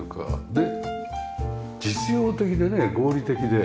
で実用的でね合理的で。